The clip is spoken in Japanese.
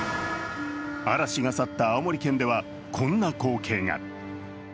嵐が去った青森県ではこんな光景が。